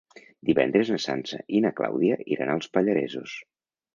Divendres na Sança i na Clàudia iran als Pallaresos.